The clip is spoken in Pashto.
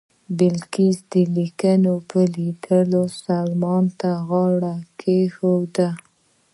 بلقیس د لیک په لیدلو سلیمان ته غاړه کېښوده.